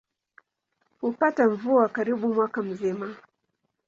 Hupata mvua karibu mwaka mzima.